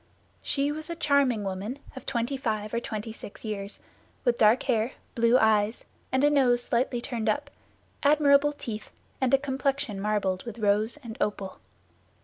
She was a charming woman of twenty five or twenty six years, with dark hair, blue eyes, and a nose slightly turned up, admirable teeth, and a complexion marbled with rose and opal.